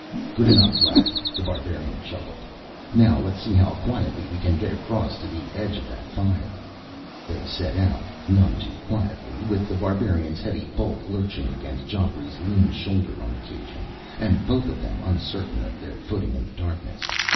"Good enough, lad," The Barbarian chuckled. "Now let's see how quietly we can get across to the edge of that fire." They set out none too quietly, with The Barbarian's heavy bulk lurching against Geoffrey's lean shoulder on occasion, and both of them uncertain of their footing in the darkness.